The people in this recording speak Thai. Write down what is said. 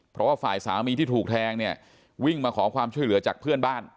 เพราะว่าฝ่ายสามีที่ถูกแทงเนี่ยวิ่งมาขอความช่วยเหลือจากเพื่อนบ้าน